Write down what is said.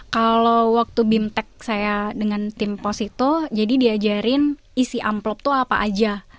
kalau waktu bimtek saya dengan tim pos itu jadi diajarin isi amplop itu apa aja